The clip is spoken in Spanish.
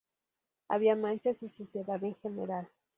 Había manchas y suciedad en general.